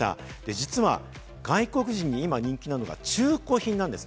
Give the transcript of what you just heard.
実は外国人に今、人気なのが中古品なんです。